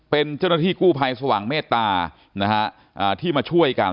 เป็นเจ้าหน้าที่กู้ภัยสว่างเมตตานะฮะที่มาช่วยกัน